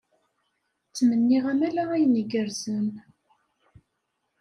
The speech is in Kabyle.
Ttmenniɣ-am ala ayen igerrzen.